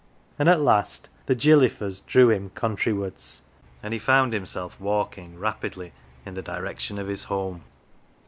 And at last the gilly Fers drew him countrywards, and he found himself walking rapidly in the direction of his home.